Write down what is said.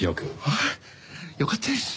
ああよかったです。